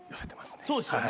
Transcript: そうですよね。